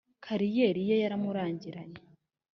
kariyeri ye yaramurangiranye